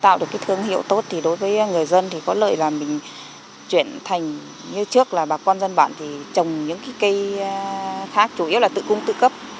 tạo được cái thương hiệu tốt thì đối với người dân thì có lợi là mình chuyển thành như trước là bà con dân bản thì trồng những cái cây khác chủ yếu là tự cung tự cấp